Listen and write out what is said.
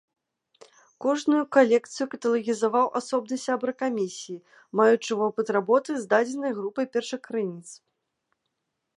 Кожную калекцыю каталагізаваў асобны сябра камісіі, маючы вопыт работы з дадзенай групай першакрыніц.